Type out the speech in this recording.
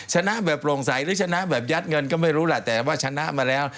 ชนะแบบโปร่งใสหรือชนะแบบยัดเงินก็ไม่รู้แหละแต่ว่าชนะมาแล้ว